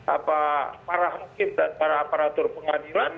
apa para hakim dan para aparatur pengadilan